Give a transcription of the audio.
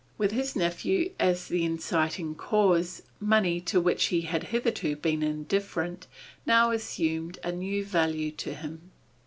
With his nephew as the inciting cause, money, to which he had hitherto been indifferent, now assumed a new value to him.